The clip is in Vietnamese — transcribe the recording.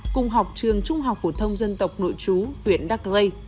cùng học trường trung học phổ thông dân tộc nội trú huyện đắk lê